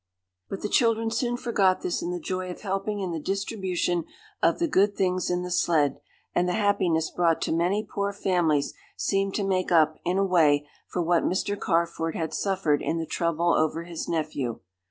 But the children soon forgot this in the joy of helping in the distribution of the good things in the sled, and the happiness brought to many poor families seemed to make up, in a way, for what Mr. Carford had suffered in the trouble over his nephew.